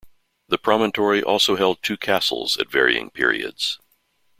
The promontory also held two castles, at varying periods.